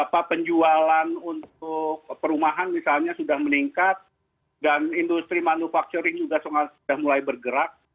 apa penjualan untuk perumahan misalnya sudah meningkat dan industri manufacturing juga sudah mulai bergerak